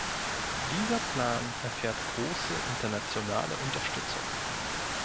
Dieser Plan erfährt große internationale Unterstützung.